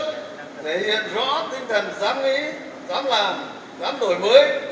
thể hiện rõ tinh thần dám nghĩ dám làm dám đổi mới